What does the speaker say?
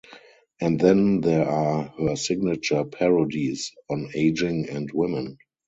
And then there are her signature parodies on aging and women.